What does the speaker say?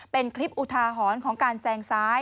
เป็นคลิปอุทาหรณ์ของการแซงซ้าย